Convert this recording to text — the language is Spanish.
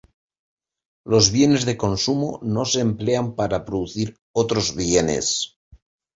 Los bienes de consumo no se emplean para producir otros bienes.